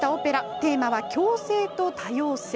テーマは共生と多様性。